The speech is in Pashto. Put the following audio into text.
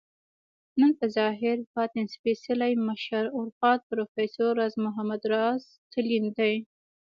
نن په ظاهر ، باطن سپیڅلي مشر، ارواښاد پروفیسر راز محمد راز تلين دی